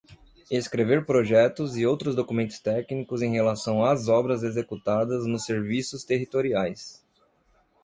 Escrever projetos e outros documentos técnicos em relação às obras executadas nos serviços territoriais.